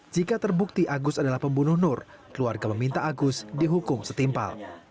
jika terbukti agus adalah pembunuh nur keluarga meminta agus dihukum setimpal